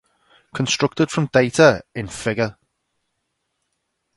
Constructed from data in Fig.